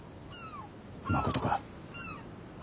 まことか？